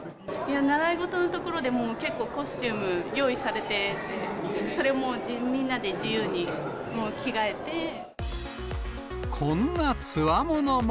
習い事の所で、結構もう、コスチューム、用意されてて、それもう、こんなつわものも。